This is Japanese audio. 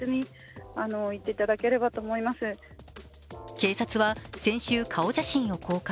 警察は先週、顔写真を公開。